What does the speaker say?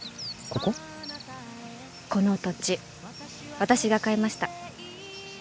この土地私が買いました。